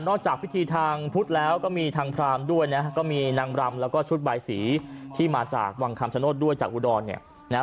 จากพิธีทางพุทธแล้วก็มีทางพรามด้วยนะก็มีนางรำแล้วก็ชุดบายสีที่มาจากวังคำชโนธด้วยจากอุดรเนี่ยนะฮะ